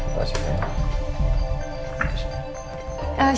terima kasih sayang